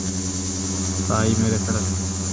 তাই মেরে ফেলেছে।